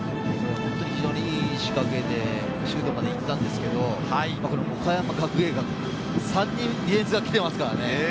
本当に非常にいい仕掛けでシュートまで行ったんですけれど、岡山学芸館、３人来てますからね。